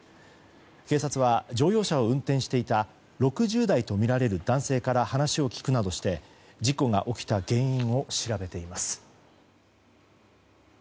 警察は乗用車を運転していた６０代とみられる男性から話を聞くなどして、事故が起きた原因を調べています。